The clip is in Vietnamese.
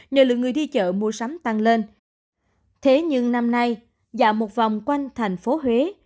nhờ lượng người đi chợ mua sắm tăng lên thế nhưng năm nay dạo một vòng quanh thành phố huế